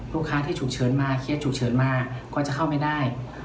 ลูกค้าที่ฉุกเฉินมาเคสฉุกเฉินมาก็จะเข้าไม่ได้